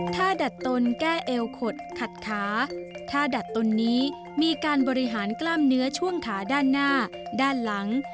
ถ้าดัดตนแก้เอวขดขัดขาถ้าดัดตนนี้มีการบริหารกล้ามเนื้อช่วงขาด้านหน้าด้านหลัง